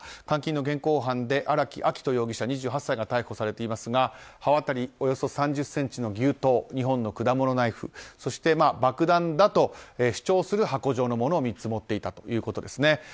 監禁の現行犯で荒木秋冬容疑者、２８歳が逮捕されていますが刃渡りおよそ３０ｃｍの牛刀２本の果物ナイフそして爆弾だと主張する箱状のものを３つ持っていたということです。